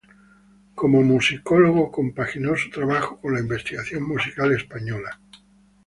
Como musicólogo, compaginó su trabajo con la investigación musical española.